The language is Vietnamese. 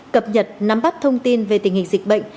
cập nhật nắm bắt thông tin về tình hình dịch bệnh